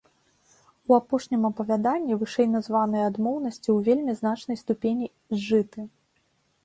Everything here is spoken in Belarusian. У апошнім апавяданні вышэйназваныя адмоўнасці ў вельмі значнай ступені зжыты.